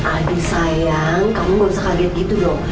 aduh sayang kamu gak usah kaget gitu loh